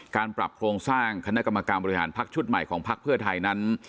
การปรับโครงสร้างคณะกรรมการบริหารพักชุดใหม่ของพักเพื่อไทยนั้น